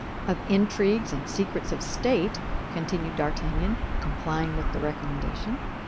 "—of intrigues and secrets of state," continued D'Artagnan, complying with the recommendation.